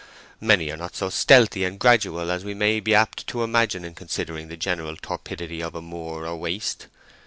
Many are not so stealthy and gradual as we may be apt to imagine in considering the general torpidity of a moor or waste.